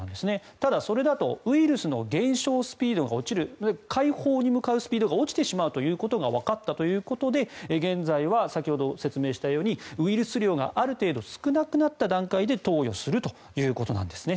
ただ、それだとウイルスの減少スピードが落ちる快方に向かうスピードが落ちることがわかったので現在は先ほど説明したようにウイルス量がある程度少なくなった段階で投与するということです。